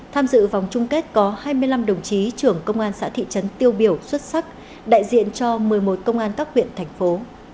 tham dự vòng chung kết có hai mươi năm đồng chí trưởng công an xã thị trấn tiêu biểu xuất sắc đại diện cho một mươi một công an các huyện thành phố